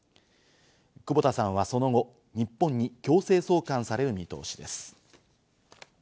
久保田さんはその後、日本に強制送還される見通しです。